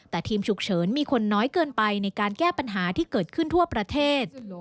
แต่ทีมฉุกเฉินมีคนน้อยเกินไปในการแก้ปัญหาที่เกิดขึ้นทั่วประเทศ